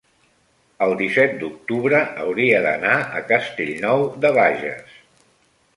el disset d'octubre hauria d'anar a Castellnou de Bages.